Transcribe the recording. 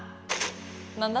何だ？